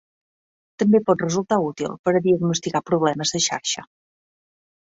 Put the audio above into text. També pot resultar útil per a diagnosticar problemes de xarxa.